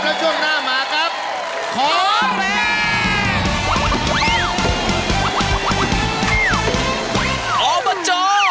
แล้วช่วงหน้ามาครับขอแรง